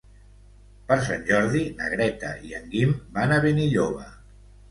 Per Sant Jordi na Greta i en Guim van a Benilloba.